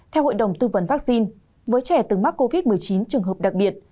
theo hội đồng tư vấn vaccine với trẻ từng mắc covid một mươi chín trường hợp đặc biệt